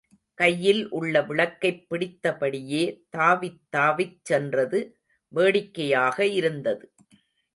கையில் உள்ள விளக்கைப் பிடித்தபடியே தாவித் தாவிச் சென்றது வேடிக்கையாக இருந்தது.